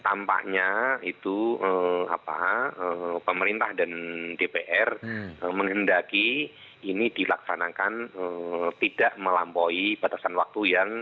tampaknya itu pemerintah dan dpr menghendaki ini dilaksanakan tidak melampaui batasan waktu yang